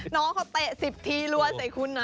น้องเขาเตะ๑๐ทีรวดเศรษฐคุณ